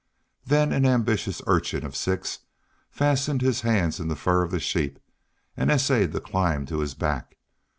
Then an ambitious urchin of six fastened his hands in the fur of the sheep and essayed to climb to his back.